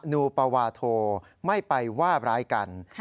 นูปวาโทไม่ไปว่าร้ายกัน